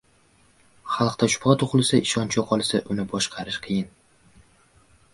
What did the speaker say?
Xalqda shubha tug‘ilsa, ishonch yo‘qolsa, uni boshqarish qiyin.